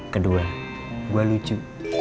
kedua gua lucu